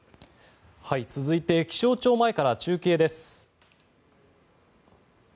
続いて気象庁前から中継です。